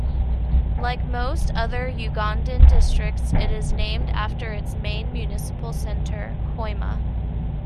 Like most other Ugandan districts, it is named after its main municipal centre, Hoima.